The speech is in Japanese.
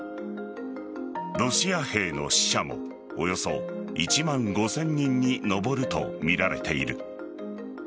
ロシア兵の死者もおよそ１万５０００人に上るとみられている。